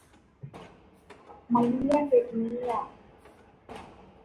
When participants were presented with south-up oriented maps, this north-south bias disappeared.